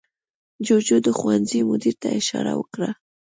جوجو د ښوونځي مدیر ته اشاره وکړه.